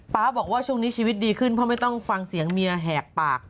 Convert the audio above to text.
บอกว่าช่วงนี้ชีวิตดีขึ้นเพราะไม่ต้องฟังเสียงเมียแหกปาก